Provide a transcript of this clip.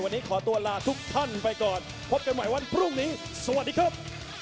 วันนี้ขอตัวลาทุกท่านไปก่อนพบกันใหม่วันพรุ่งนี้สวัสดีครับ